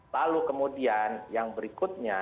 lalu kemudian yang berikutnya